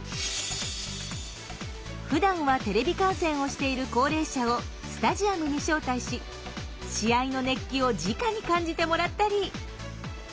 ふだんはテレビ観戦をしている高齢者をスタジアムに招待し試合の熱気をじかに感じてもらったり。